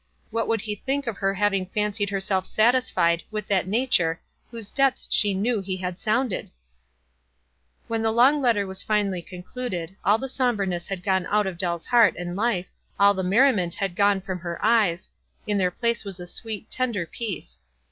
What would he think of her hav ing fancied herself satisfied with that nature whose depths she knew he had sounded ?" When the long letter was finally concluded all the somberness had gone out of Dell's heart and life, all the merriment had gone from her eyes ; m their place was a sweet, tender peace.